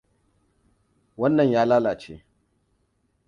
Wannan ya lalace.